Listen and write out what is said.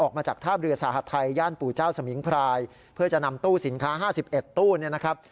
ออกมาจากท่าเรือสหัสไทยย่านปู่เจ้าสมิงพรายเพื่อจะนำตู้สินค้า๕๑ตู้เนี่ยนะครับ